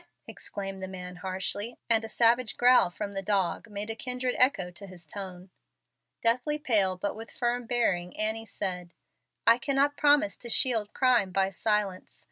exclaimed the man, harshly, and a savage growl from the dog made a kindred echo to his tone. Deathly pale, but with firm bearing, Annie said, "I cannot promise to shield crime by silence.